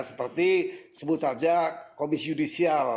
seperti sebut saja komisi yudisial